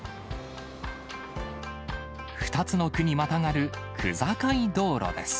２つの区にまたがる区境道路です。